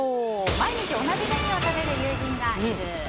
毎日同じメニューを食べる友人がいる？